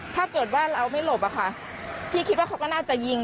ถ้าเกิดว่าเราไม่หลบอะค่ะพี่คิดว่าเขาก็น่าจะยิง